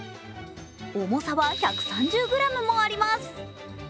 重さは１３０ｇもあります。